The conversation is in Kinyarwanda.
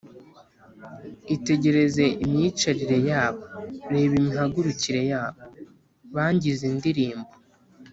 Itegereze imyicarire yabo, Reba imihagurukire yabo, Bangize indirimbo.